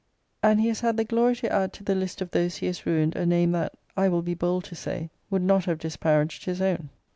'And he has had the glory to add to the list of those he has ruined, a name that, I will be bold to say, would not have disparaged his own.'